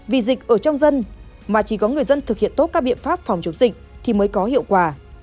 vì dịch ở trong dân mà chỉ có người dân thực hiện tốt các biện pháp phòng chống dịch thì mới có hiệu quả